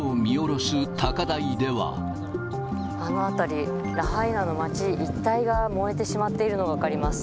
あの辺り、ラハイナの街一帯が燃えてしまっているのが分かります。